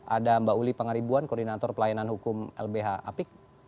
ada mbak uli pangaribuan koordinator pelayanan hukum lbh apik